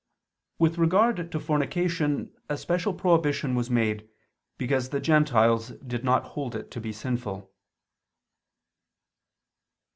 With regard to fornication a special prohibition was made, because the Gentiles did not hold it to be sinful.